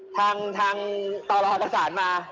ทางตรประสานมา